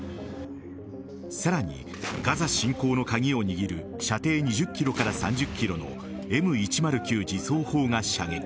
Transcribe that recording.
さらに、ガザ侵攻の鍵を握る射程２０ｋｍから３０ｋｍのＭ１０９自走砲が射撃。